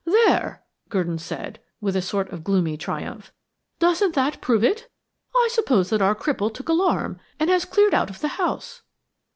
"There," Gurdon said, with a sort of gloomy triumph. "Doesn't that prove it? I suppose that our cripple took alarm and has cleared out of the house."